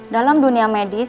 dalam dunia medis